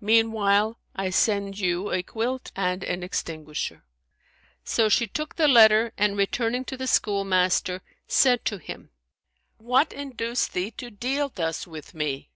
Meanwhile, I send you a quilt and an extinguisher."[FN#173] So she took the letter and, returning to the schoolmaster, said to him, "What induced thee to deal thus with me?"